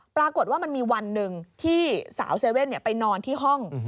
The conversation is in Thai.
ปรากฏว่ามันมีวันหนึ่งที่สาวเซเว่นไปนอนที่ห้อง